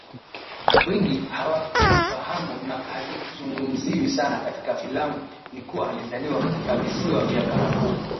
wengi hawakifahamu na hakizungumziwi sana katika filamu ni kuwa alizaliwa katika visiwa vya karafuu